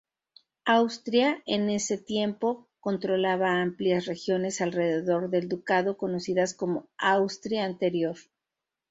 Austria, en ese tiempo, controlaba amplias regiones alrededor del ducado, conocidas como "Austria Anterior".